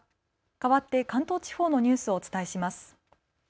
かわって関東地方のニュースをお伝えします。